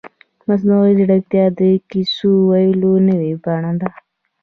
مصنوعي ځیرکتیا د کیسو ویلو نوې بڼه ده.